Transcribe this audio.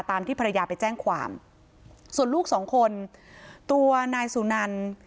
ที่ภรรยาไปแจ้งความส่วนลูกสองคนตัวนายสุนัน